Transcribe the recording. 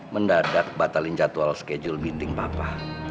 mendadak batalkan jadwal skedule meeting papa